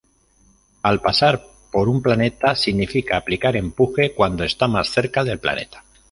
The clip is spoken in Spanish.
Al pasar por un planeta significa aplicar empuje cuando está más cerca del planeta.